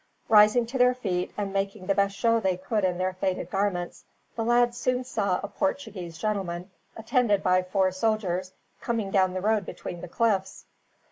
Rising to their feet, and making the best show they could in their faded garments, the lads soon saw a Portuguese gentleman, attended by four soldiers, coming down the road between the cliffs.